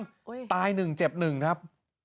กดตาย๑เจ็บ๑ครับ